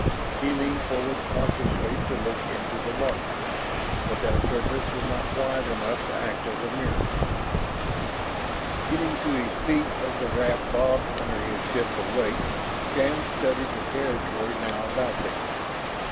He leaned forward cautiously to look into the water, but that surface was not quiet enough to act as a mirror. Getting to his feet as the raft bobbed under his shift of weight, Shann studied the territory now about them.